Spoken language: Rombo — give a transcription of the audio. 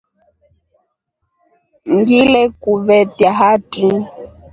Ngilekuvetia hatri.